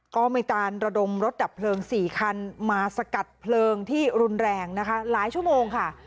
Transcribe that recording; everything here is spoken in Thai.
ก็มีการระดมรถดับเพลิง๔คันมาสกัดเพลิงที่รุนแรงนะคะหลายชั่วโมงค่ะ